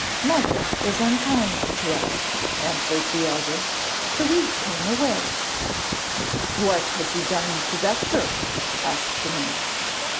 'Mother was unkind to us,' answered the elder, 'so we came away.' 'What had you done to vex her?' asked the man.